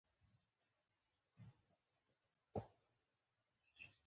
ښایست د ذهن نازولي خیالونه دي